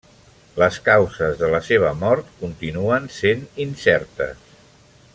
Les causes de la seva mort continuen sent incertes.